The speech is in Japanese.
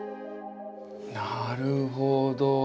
なるほど。